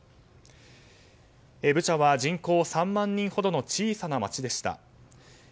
ブチャは人口３万人ほどの小さな街でした。